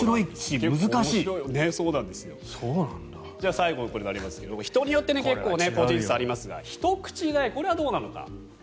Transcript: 最後、これがありますが人によって結構、個人差がありますがひと口大、これはどうなのか。